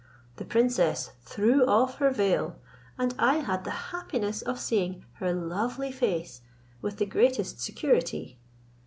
The princess threw off her veil, and I had the happiness of seeing her lovely face with the greatest security.